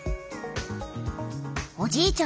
おじいちゃん